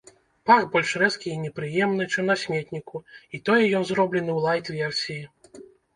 Пах больш рэзкі і непрыемны, чым на сметніку, і тое ён зроблены ў лайт-версіі.